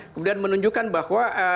kemudian menunjukkan bahwa